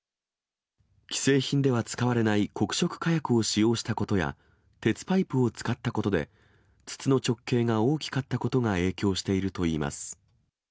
既製品では使われない黒色火薬を使用したことや、鉄パイプを使ったことで、筒の直径が大きかったことが影響しているといいます。